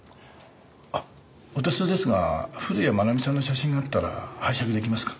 あっお手数ですが古谷愛美さんの写真があったら拝借出来ますか？